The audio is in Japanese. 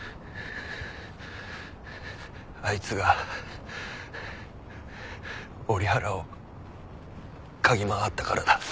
あいつが折原を嗅ぎ回ったからだ。